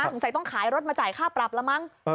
หรือว่าต้องขายรถมาจ่ายค่าปรับแล้วมั้ง